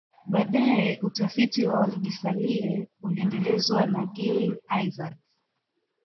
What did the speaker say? Baadae utafiti wa Olorgesailie uliendelezwa na Glynn Isaac